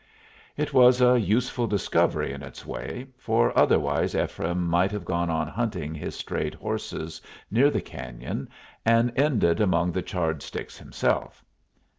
It was a useful discovery in its way, for otherwise Ephraim might have gone on hunting his strayed horses near the cañon, and ended among charred sticks himself.